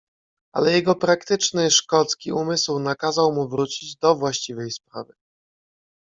"Ale jego praktyczny, szkocki umysł nakazał mu wrócić do właściwej sprawy."